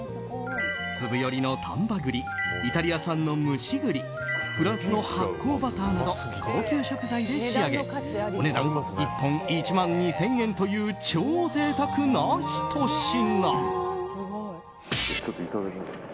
粒よりの丹波栗イタリア産の蒸し栗フランスの発酵バターなど高級食材で仕上げお値段１本１万２０００円という超贅沢なひと品。